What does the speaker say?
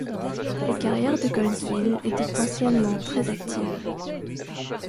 Les carrières de Goldswil étaient anciennement très actives.